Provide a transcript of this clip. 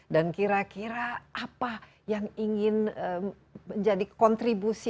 dan kira kira apa yang ingin menjadi kontribusi